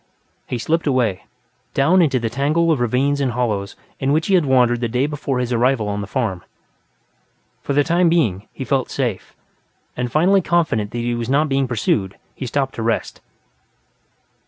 He slipped away, down into the tangle of ravines and hollows in which he had wandered the day before his arrival at the farm. For the time being, he felt safe, and finally confident that he was not being pursued, he stopped to rest.